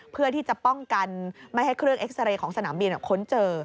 เพื่อที่จะป้องกันไม่ให้เครื่องเอ็กซาเรย์ของสนามบินค้นเจอ